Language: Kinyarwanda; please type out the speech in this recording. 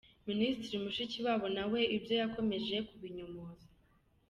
Minisitiri Mushikiwabo nawe ibyo yakomeje kubinyomoza.